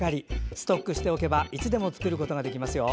ストックしておけばいつでも作ることができますよ。